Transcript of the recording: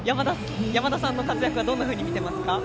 山田さんの活躍はどうみていますか。